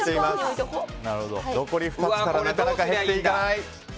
残り２つからなかなか減っていかない。